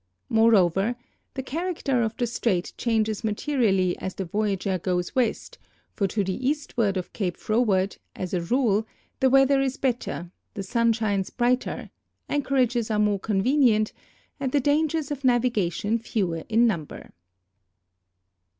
Moreover, the character of the strait changes ma terially as the voyager goes west, for to the eastward of Cape Froward, as a rule, the weather is better, the sun shines brighter, anchorages are more convenient, and the dangers of navigation fewer in number.